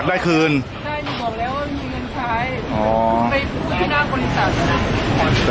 ก็คือจะ